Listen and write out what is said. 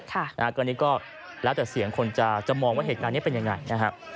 อันนี้ก็แล้วแต่เสียงคนจะมองว่าเหตุการณ์นี้เป็นยังไงนะครับ